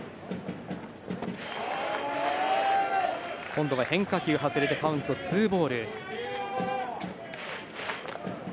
今度は変化球、外れてカウントはツーボール。